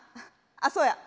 あっそうや。